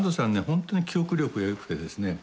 本当に記憶力が良くてですね。